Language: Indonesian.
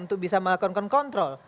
untuk bisa melakukan kontrol